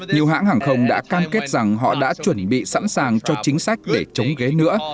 nhiều hãng hàng không đã cam kết rằng họ đã chuẩn bị sẵn sàng cho chính sách để chống ghế nữa